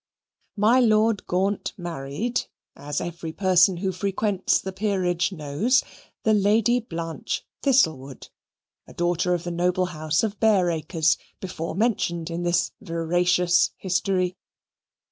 My Lord Gaunt married, as every person who frequents the Peerage knows, the Lady Blanche Thistlewood, a daughter of the noble house of Bareacres, before mentioned in this veracious history.